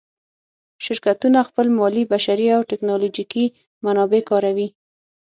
شرکتونه خپل مالي، بشري او تکنالوجیکي منابع کاروي.